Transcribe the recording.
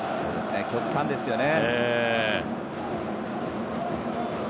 極端ですよね。